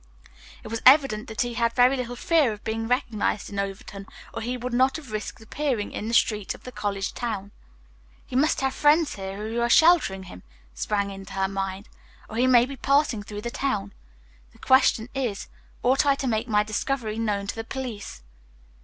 It was evident that he had very little fear of being recognized in Overton, or he would not have risked appearing in the streets of the college town. "He must have friends here, who are sheltering him," sprang into her mind, "or he may be passing through the town. The question is, ought I to make my discovery known to the police?"